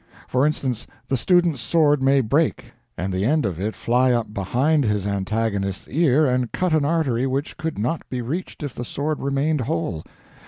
For instance, the student's sword may break, and the end of it fly up behind his antagonist's ear and cut an artery which could not be reached if the sword remained whole.